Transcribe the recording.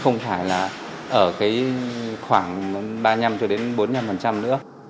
nó ba năm bốn năm nữa